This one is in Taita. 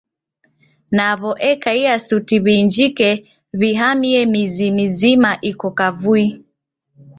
Naw'o ekaia suti w'iinjike, w'ihamie mizi mizima iko kavui.